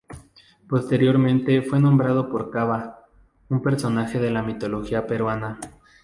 Posteriormente fue nombrado por Cava, un personaje de la mitología peruana.